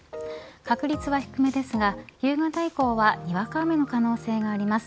確率は低めですが夕方以降はにわか雨の可能性があります。